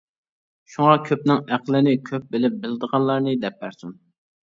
شۇڭا كۆپنىڭ ئەقلىنى كۆپ بىلىپ بىلىدىغانلارنى دەپ بەرسۇن.